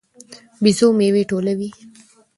بيزو میوې ټولوي.